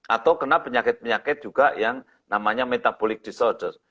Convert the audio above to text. atau kena penyakit penyakit juga yang namanya metabolic disorder